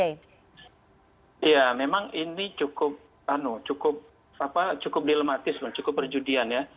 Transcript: ya memang ini cukup dilematis cukup perjudian ya